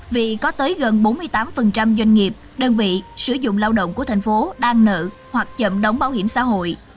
vì có tới gần bốn mươi tám doanh nghiệp đơn vị sử dụng lao động của thành phố đang nợ hoặc chậm đóng bảo hiểm xã hội